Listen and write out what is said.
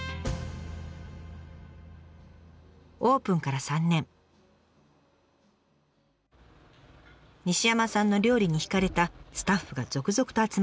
オープンから３年西山さんの料理に惹かれたスタッフが続々と集まりました。